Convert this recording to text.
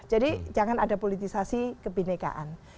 jadi jangan ada politisasi kebhinnekaan